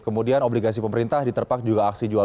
kemudian obligasi pemerintah diterpak juga aksi jual